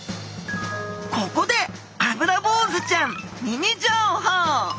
ここでアブラボウズちゃんミニ情報！